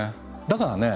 だからね